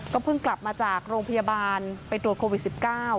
เพิ่งกลับมาจากโรงพยาบาลไปตรวจโควิด๑๙